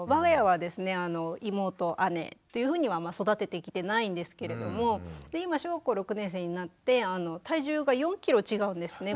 妹姉というふうには育ててきてないんですけれども今小学校６年生になって体重が４キロ違うんですね